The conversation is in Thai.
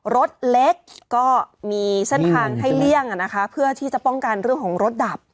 รถเล็กก็มีเส้นทางให้เลี่ยงเพื่อที่จะป้องกันเรื่องของรถดับ